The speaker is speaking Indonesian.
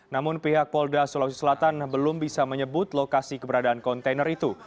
namun pihak polda sulawesi selatan belum bisa menyebut lokasi keberadaan kontainer itu